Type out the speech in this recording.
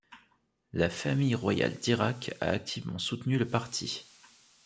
La famille royale d'Irak a activement soutenu le parti.